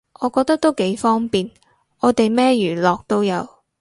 我覺得都幾方便，我哋咩娛樂都有